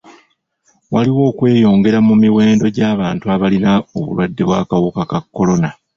Waliwo okweyongera mu muwendo gw'abantu abalina obulwadde bw'akawuka ka kolona.